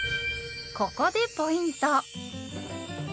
ここでポイント！